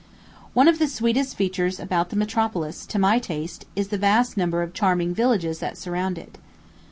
One of the sweetest features about the metropolis, to my taste, is the vast number of charming villages that surround it.